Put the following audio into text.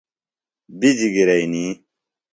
بِجیۡ گِرئنی۔